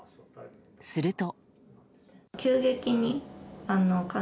すると。